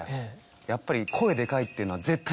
やっぱり。